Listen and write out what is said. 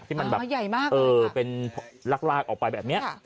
ที่มันแบบเป็นลากออกไปแบบนี้